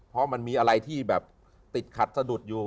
เพราะมันมีอะไรที่แบบติดขัดสะดุดอยู่